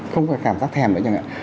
không có cảm giác thèm nữa chẳng hạn